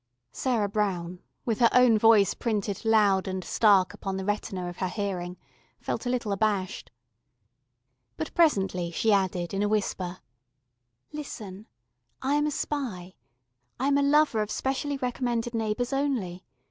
Sarah Brown, with her own voice printed loud and stark upon the retina of her hearing, felt a little abashed. But presently she added in a whisper: "Listen. I am a spy. I am a lover of specially recommended neighbours only.